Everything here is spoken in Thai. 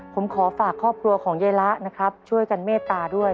ผมขอฝากครอบครัวของยายละนะครับช่วยกันเมตตาด้วย